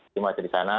semua di sana